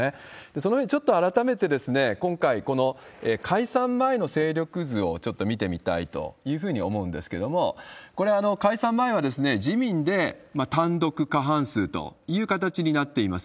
そのようにちょっと改めて今回、この解散前の勢力図をちょっと見てみたいというふうに思うんですけれども、これ、解散前は自民で単独過半数という形になっています。